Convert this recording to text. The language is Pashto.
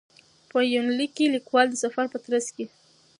په یونلیک کې لیکوال د سفر په ترڅ کې.